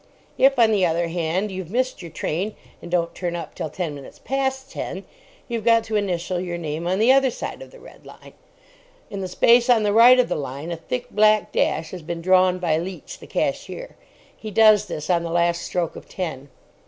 If, on the other hand, you've missed your train, and don't turn up till ten minutes past ten, you've got to initial your name on the other side of the red line. In the space on the right of the line, a thick black dash has been drawn by Leach, the cashier. He does this on the last stroke of ten.